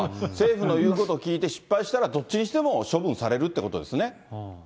政府の言うことを聞いて、失敗したらどっちにしても処分されるってことですね。